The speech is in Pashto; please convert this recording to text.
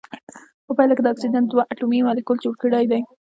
په پایله کې د اکسیجن دوه اتومي مالیکول جوړ کړی دی.